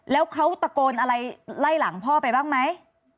แล้วเขาตะโกนอะไรไล่หลังพ่อไปบ้างไหม